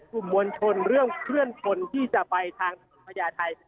กลุ่มวัญชนเรื่องเคลื่อนทนที่จะไปทางประหยาไทย